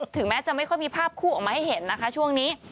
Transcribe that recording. ถึงแม้จะไม่ค่อยมีภาพคู่ออกมาให้เห็นนะคะช่วงนี้